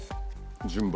順番。